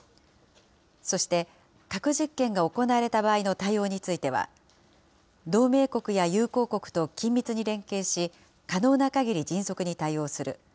そして核実験が行われた場合の対応については、同盟国や友好国と緊密に連携し、可能なかぎり迅速に対応する。